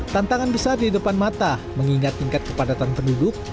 tantangan besar di depan mata mengingat tingkat kepadatan penduduk